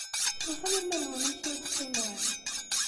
Tufam iman-nwen amek ay teqqimem?